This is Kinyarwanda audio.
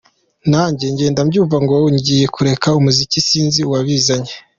Nanjye ngenda mbyumva, ngo ngiye kureka umuziki, sinzi uwabizanye.